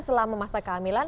selama masa kehamilan